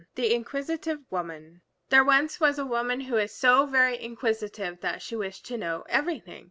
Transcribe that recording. THE INQUISITIVE WOMAN There was once a woman who was so very inquisitive that she wished to know everything.